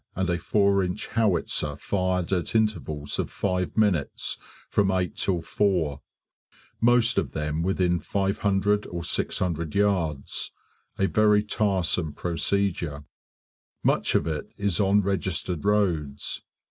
and a 4 inch howitzer fired at intervals of five minutes from 8 till 4; most of them within 500 or 600 yards a very tiresome procedure; much of it is on registered roads.